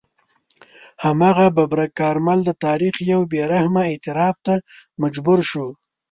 هماغه ببرک کارمل د تاریخ یو بې رحمه اعتراف ته مجبور شو.